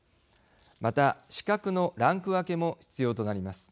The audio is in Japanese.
また、資格のランク分けも必要となります。